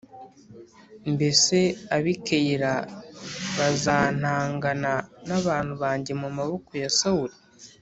“Mbese ab’i Keyila bazantangana n’abantu banjye mu maboko ya Sawuli?”